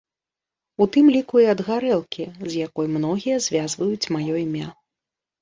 У тым ліку і ад гарэлкі, з якой многія звязваюць маё імя.